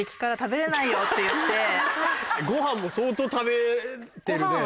ごはんも相当食べてるね。